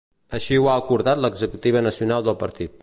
Així ho ha acordat l’executiva nacional del partit.